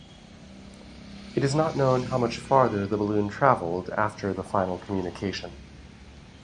It is not known how much farther the balloon traveled after the final communication.